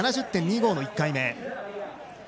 ７０．２５の１回目。